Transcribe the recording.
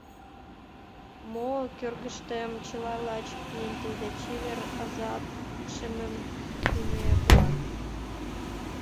Мо кӧргыштем — чыла лач мыйын тиде: Чевер азап, шемемдыме куан…